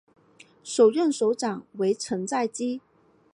首任首长为成在基。